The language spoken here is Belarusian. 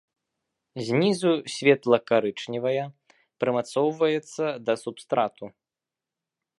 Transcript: Знізу светла-карычневая, прымацоўваецца да субстрату.